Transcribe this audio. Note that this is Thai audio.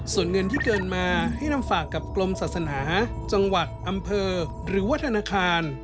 ส่วนเงินที่เกินมาให้นำฝากกับกรมศาสนาจังหวัดอำเภอหรือว่าธนาคาร